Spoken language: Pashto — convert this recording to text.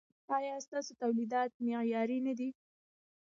ایا ستاسو تولیدات معیاري نه دي؟